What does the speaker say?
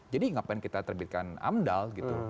jadi ngapain kita diterbitkan amdal gitu